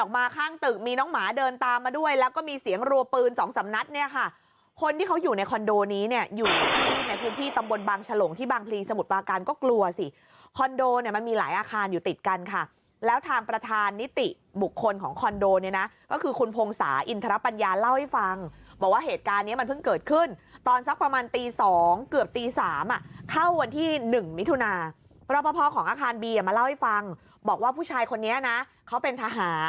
ออกมาข้างตึกมีน้องหมาเดินตามมาด้วยแล้วก็มีเสียงรัวปืนสองสำนัดเนี่ยค่ะคนที่เขาอยู่ในคอนโดนี้เนี่ยอยู่ในพื้นที่ตำบลบังฉลงที่บางพลีสมุทรปาการก็กลัวสิคอนโดเนี่ยมันมีหลายอาคารอยู่ติดกันค่ะแล้วทางประธานนิติบุคคลของคอนโดเนี่ยนะก็คือคุณพงศาอินทรปัญญาเล่าให้ฟังบอกว่าเหตุ